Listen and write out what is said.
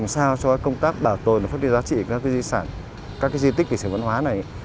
sao cho cái công tác bảo tồn và phát triển giá trị các cái di sản các cái di tích về sản văn hóa này